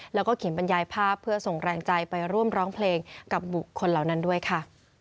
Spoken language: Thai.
แล้วก็เขียนบรรยายภาพเพื่อส่งแรงใจไปร่วมร้องเพลงกับบุคคลเหล่านั้นด้วยค่ะ